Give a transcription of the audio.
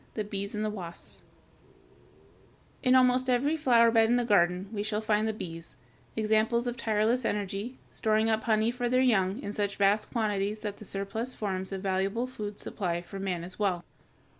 THE BEES AND WASPS In almost every flower bed in the garden we shall find the bees, examples of tireless energy, storing up honey for their young in such vast quantities that the surplus forms a valuable food supply for man as well.